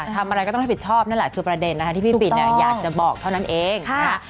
ทำอะไรก็ต้องรับผิดชอบนั่นแหละคือประเด็นนะคะที่พี่ปิ่นอยากจะบอกเท่านั้นเองนะคะ